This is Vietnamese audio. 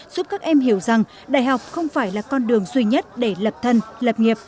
giúp các em hiểu rằng đại học không phải là con đường duy nhất để lập thân lập nghiệp